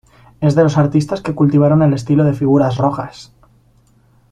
Es de los artistas que cultivaron el estilo de figuras rojas.